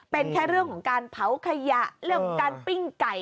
เป็นแค่เรื่องของการเผาขยะเรื่องการปิ้งไก่